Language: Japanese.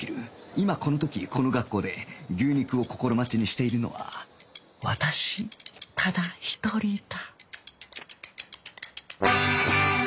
今この時この学校で牛肉を心待ちにしているのは私ただ一人だ